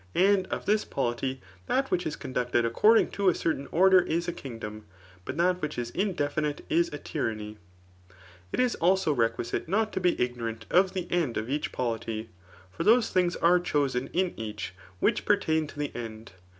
And of this polity, that which is conducted according to a cer tain order is a kingdom ; but that which is indefinite is a tyranny. It is also requisite not to be ignorant of the end of each polity; for those things are chosen [in each] which pertain to the end.